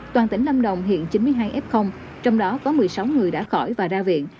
toàn tỉnh lâm đồng hiện chín mươi hai f trong đó có một mươi sáu người đã khỏi và ra viện